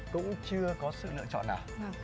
cũng chưa có sự lựa chọn nào